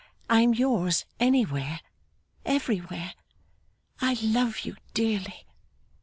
I am yours anywhere, everywhere! I love you dearly!